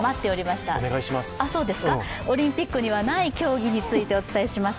オリンピックにはない競技についてお伝えします。